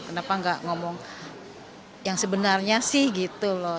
kenapa nggak ngomong yang sebenarnya sih gitu loh